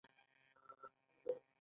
منډه کول سږو ته ګټه لري